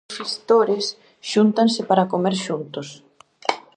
Dous fistores xúntanse para comer xuntos.